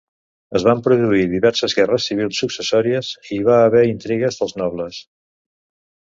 Es van produir diverses guerres civils successòries i hi va haver intrigues dels nobles.